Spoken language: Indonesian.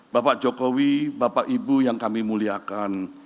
bapak jokowi bapak ibu yang kami muliakan